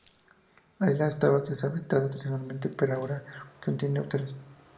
La isla estaba deshabitada, tradicionalmente, pero ahora contiene hoteles.